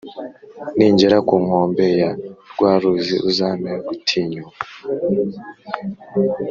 Ningera kunkombe ya rwaruzi uzampe gutinyuka